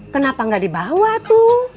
kenapa gak dibawa tuh